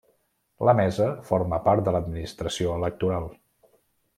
La mesa forma part de l'Administració electoral.